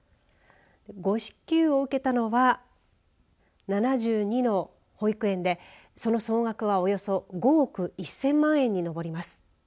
誤支給を受けたのは７２の保育園でその総額は、およそ５億１０００万円に上ります。